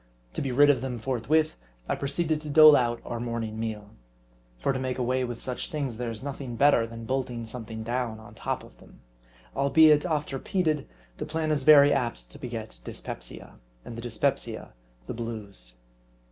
To be rid of them forthwith, I proceeded to dole out our morning meal. For to make away with such things, there is nothing 'better than bolting something down on top of them ; albeit, oft repeated, the plan is very apt to beget dyspepsia; and the dyspepsia the blues.